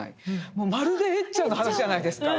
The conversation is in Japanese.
もうまるでエッちゃんの話じゃないですか！